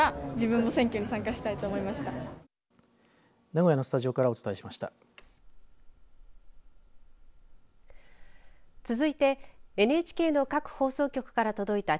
名古屋のスタジオからお伝えしました。